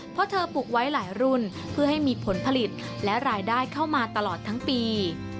เพราะเธอปลูกไว้หลายรุ่นเพื่อให้มีผลผลิตและรายได้เข้ามาตลอดทั้งปี